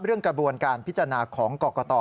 เรื่องกระบวนการพิจารณาของกอกกะตอ